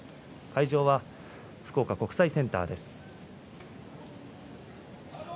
会場は福岡国際センターです。